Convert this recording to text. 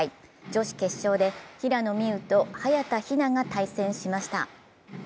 女子決勝で平野美宇と早田ひなが対戦しました。